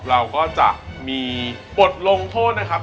เราก็จะมีบทลงโทษนะครับ